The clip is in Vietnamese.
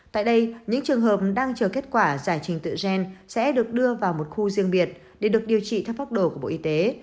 tại đây những trường hợp đang chờ kết quả giải trình tự gen sẽ được đưa vào một khu riêng biệt để được điều trị theo pháp đồ của bộ y tế